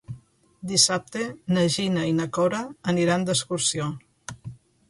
Dissabte na Gina i na Cora aniran d'excursió.